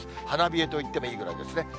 花冷えといってもいいぐらいですね。